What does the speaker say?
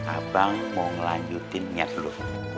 abang mau ngelanjutin niat dulu